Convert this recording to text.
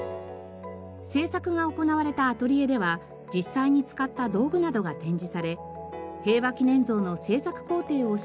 制作が行われたアトリエでは実際に使った道具などが展示され平和祈念像の制作工程を知る事ができます。